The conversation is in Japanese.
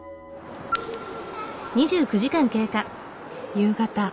夕方。